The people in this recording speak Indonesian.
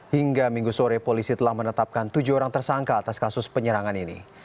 hingga minggu sore polisi telah menetapkan tujuh orang tersangka atas kasus penyerangan ini